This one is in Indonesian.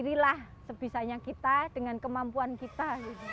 lihat lah sepisahnya kita dengan kemampuan kita